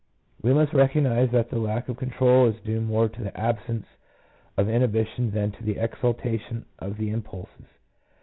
We must recognize that the lack of control is due more to the absence of inhibition than to the exalta tion of the impulses.